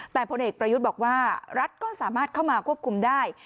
แต่พลเอกประยุทธ์บอกว่ารัฐก็สามารถเข้ามาควบคุมได้